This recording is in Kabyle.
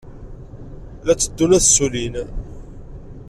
La tteddun ad ssullin.